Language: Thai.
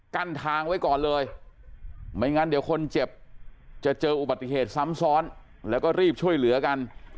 กั้นทางไว้ก่อนเลยไม่งั้นเดี๋ยวคนเจ็บจะเจออุบัติเหตุซ้ำซ้อนแล้วก็รีบช่วยเหลือกัน